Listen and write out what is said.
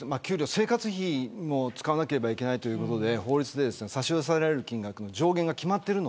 生活費も使わなければいけないということで法律で差し押さえられる金額の上限が決まってます。